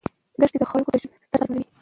دښتې د خلکو د ژوند طرز اغېزمنوي.